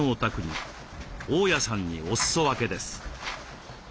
大家さんにおすそ分けです。